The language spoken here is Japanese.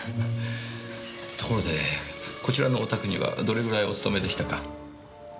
ところでこちらのお宅にはどれぐらいお勤めでしたか？